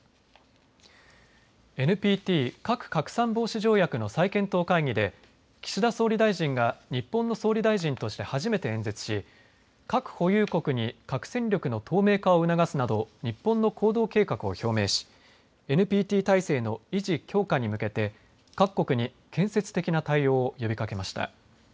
ＮＰＴ・核拡散防止条約の再検討会議で岸田総理大臣が日本の総理大臣として初めて演説し核保有国に核戦力の透明化を促すなど日本の行動計画を表明しＮＰＴ体制の維持・強化に向けて各国に建設的な対応を呼びかけました。